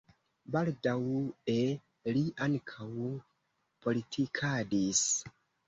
Baldaŭe li ankaŭ politikadis.